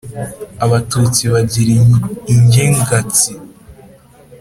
abatutsi bagira ingengasi